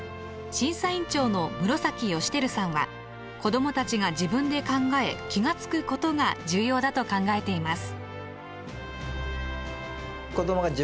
審査員長の室益輝さんは子どもたちが自分で考え気が付くことが重要だと考えています。